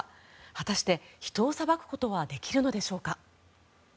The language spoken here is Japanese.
果たして、人を裁くことはできるのでしょうか。